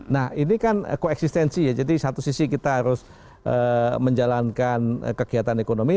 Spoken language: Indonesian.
nah ini kan koeksistensi ya jadi satu sisi kita harus menjalankan kegiatan ekonomi